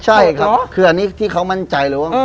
ใช่ครับคืออันนี้ที่เขามั่นใจเลยว่า